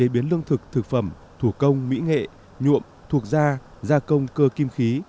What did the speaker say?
biến lương thực thực phẩm thủ công mỹ nghệ nhuộm thuộc da gia công cơ kim khí